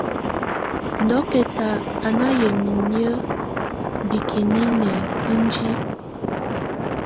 Dokɛta á nà yamɛ̀á inƴǝ́ bikinini indiǝ.